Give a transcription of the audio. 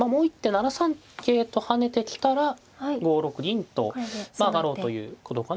７三桂と跳ねてきたら５六銀と上がろうということかなと思いますね。